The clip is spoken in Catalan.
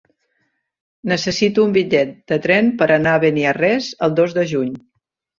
Necessito un bitllet de tren per anar a Beniarrés el dos de juny.